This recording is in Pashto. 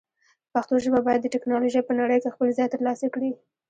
پښتو ژبه باید د ټکنالوژۍ په نړۍ کې خپل ځای ترلاسه کړي.